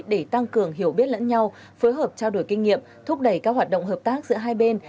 để tăng cường hiểu biết lẫn nhau phối hợp trao đổi kinh nghiệm thúc đẩy các hoạt động hợp tác giữa hai bên